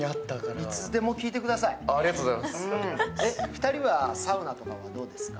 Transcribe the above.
２人はサウナとかはどうですか？